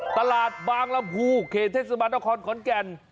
ตลาดบางลำพูเขตเทศบาลนครขอนแก่น